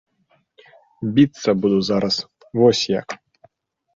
Біцца буду зараз, вось як!